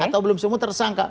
atau belum semua tersangka